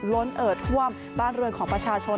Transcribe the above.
ล้นเอิดท่วมบ้านเรือนของประชาชน